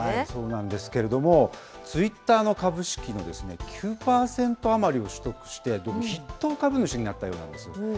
そうなんですけれども、ツイッターの株式の９％余りを取得して、どうも筆頭株主になったようなんです。